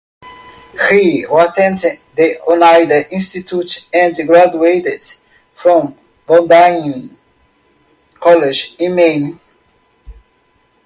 He attended the Oneida Institute and graduated from Bowdoin College in Maine.